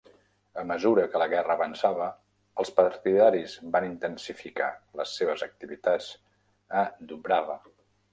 A mesura que la guerra avançava, els partidaris van intensificar les seves activitats a Dubrava.